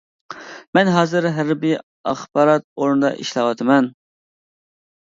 مەن ھازىر ھەربىي ئاخبارات ئورنىدا ئىشلەۋاتىمەن.